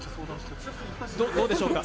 どうでしょうか？